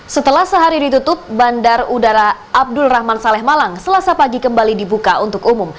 setelah sehari ditutup bandar udara abdul rahman saleh malang selasa pagi kembali dibuka untuk umum